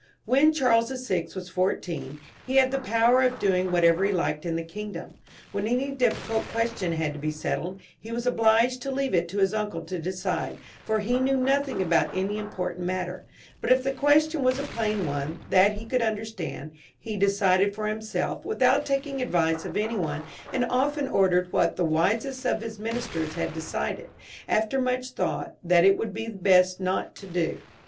When Charles VI. was fourteen, he had the power of doing whatever he liked in the kingdom. When any diffi cult question had to be settled, he was obliged to leave it to his uncles to decide, for he knew nothing about any important matter; but if the question was a plain one, that 186 CHARLES VI. [CH. he could understand, lie decided for himself, without taking advice of any one^ and often ordered what the wisest of his ministers had decided, after much thought, that it would be best not to do.